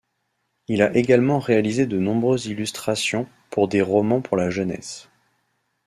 Il a également réalisé de nombreuses illustrations pour des romans pour la jeunesse.